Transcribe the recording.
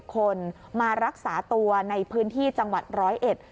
คนมารักษาตัวในพื้นที่จังหวัดร้อยเอ็ด